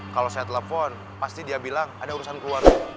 kalo saya telepon pasti dia bilang ada urusan keluar